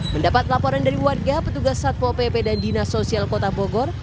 mendapat laporan dari warga petugas satpol pp dan dinasosial kota bogor